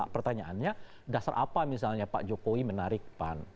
pertanyaannya dasar apa misalnya pak jokowi menarik pan